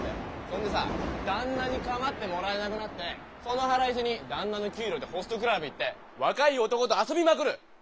そんでさ旦那に構ってもらえなくなってその腹いせに旦那の給料でホストクラブ行って若い男と遊びまくる！